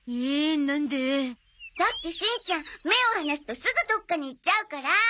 だってしんちゃん目を離すとすぐどっかに行っちゃうから！